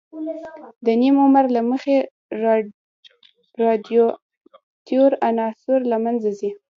د نیم عمر له مخې رادیواکتیو عناصر له منځه ځي.